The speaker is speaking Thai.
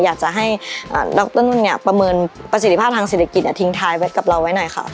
อยากจะให้ดรนุ่นเนี่ยประเมินประสิทธิภาพทางเศรษฐกิจทิ้งท้ายไว้กับเราไว้หน่อยค่ะ